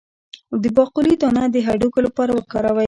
د باقلي دانه د هډوکو لپاره وکاروئ